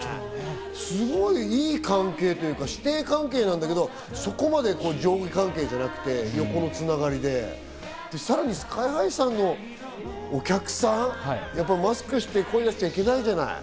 すごくいい関係というか、師弟関係なんだけど、そこまで上下関係じゃなくて横の繋がりで、さらにＳＫＹ−ＨＩさんのお客さん、マスクして、声出しちゃいけないじゃない。